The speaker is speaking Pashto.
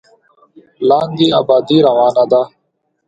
لاندې ابادي روانه ده.